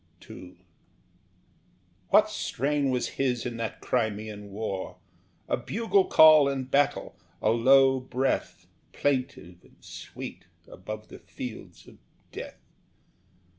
II What strain was his in that Crimean war? A bugle call in battle; a low breath, Plaintive and sweet, above the fields of death!